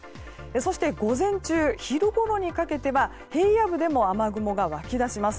そして午前中、昼ごろにかけては平野部でも雨雲が湧き出します。